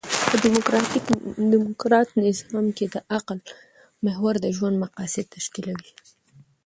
په ډيموکراټ نظام کښي د عقل محور د ژوند مقاصد تشکیلوي.